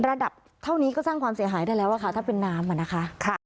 ระดับเท่านี้ก็สร้างความเสียหายได้แล้วค่ะถ้าเป็นน้ำอ่ะนะคะ